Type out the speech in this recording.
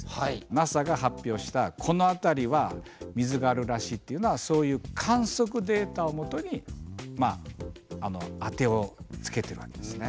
ＮＡＳＡが発表したこの辺りは水があるらしいっていうのはそういう観測データをもとに当てをつけてるわけですね。